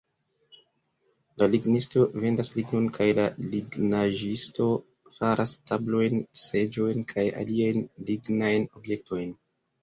La lignisto vendas lignon, kaj la lignaĵisto faras tablojn, seĝojn kaj aliajn lignajn objektojn.